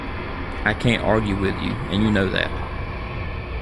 I can't argue with you, and you know that.